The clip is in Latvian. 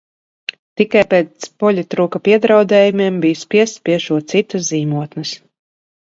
Tikai pēc poļitruka piedraudējumiem biju spiests piešūt citas zīmotnes.